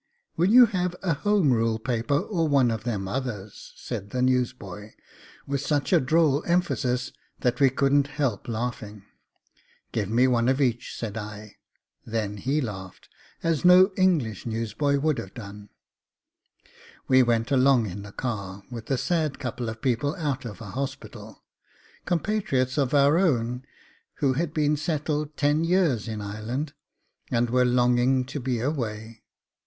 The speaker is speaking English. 'Will you have a Home Rule paper or one of them others?' said the newsboy, with such a droll emphasis that we couldn't help laughing. 'Give me one of each,' said I; then he laughed, as no English newsboy would have done. ... We went along in the car with a sad couple of people out of a hospital, compatriots of our own, who had been settled ten years in Ireland, and were longing to be away.